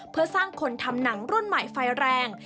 เพื่อสร้างคนทำหนังรุ่นใหม่ไฟแรง